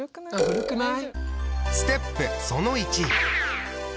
古くない？